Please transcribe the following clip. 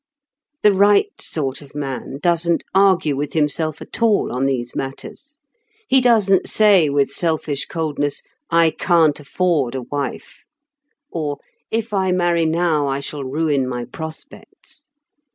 The right sort of man doesn't argue with himself at all on these matters. He doesn't say with selfish coldness, "I can't afford a wife;" or, "If I marry now, I shall ruin my prospects."